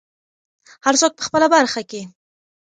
هر څوک په خپله برخه کې.